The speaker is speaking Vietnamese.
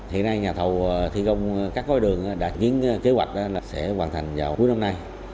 hiện nay nhà thầu thi công các gói đường đạt kế hoạch sẽ hoàn thành vào cuối năm nay